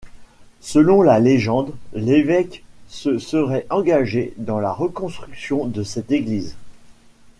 Selon la légende, l'évêque se serait engagé dans la reconstruction de cette église.